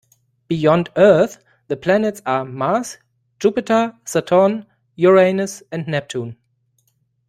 Beyond Earth, the planets are Mars, Jupiter, Saturn, Uranus and Neptune.